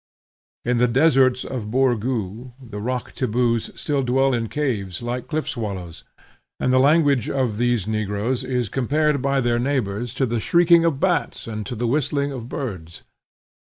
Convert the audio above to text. In the deserts of Borgoo the rock Tibboos still dwell in caves, like cliff swallows, and the language of these negroes is compared by their neighbors to the shrieking of bats and to the whistling of birds.